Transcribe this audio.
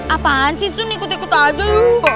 apaan sih asun ikut ikut aja yuk